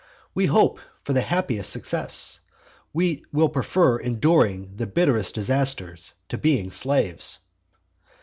We hope for the happiest success; we will prefer enduring the bitterest disaster to being slaves.